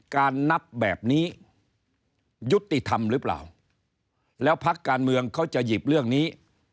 การนับแบบนี้ยุติธรรมหรือเปล่าแล้วพักการเมืองเขาจะหยิบเรื่องนี้